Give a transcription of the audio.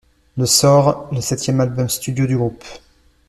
Le sort ', le septième album studio du groupe.